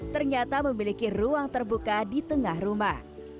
ternyata memiliki ruang terbuka di tengah rumah